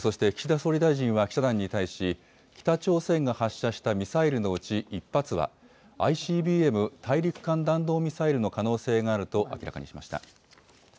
そして岸田総理大臣は記者団に対し、北朝鮮が発射したミサイルのうち１発は、ＩＣＢＭ・大陸間弾道ミサイルの可能性があると明らかにしました。